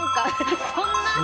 そんな。